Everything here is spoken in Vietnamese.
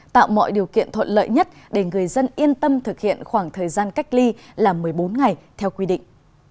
tạo mọi điều kiện thuận lợi nhất để người dân yên tâm thực hiện khoảng thời gian cách ly là một mươi bốn ngày theo quy định